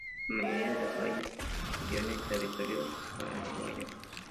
La Mayoría de las Batallas se dio en el territorio paraguayo.